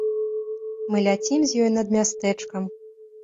Мы ляцім з ёю над мястэчкам.